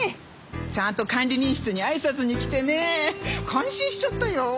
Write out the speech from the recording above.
ちゃんと管理人室に挨拶に来てね感心しちゃったよ。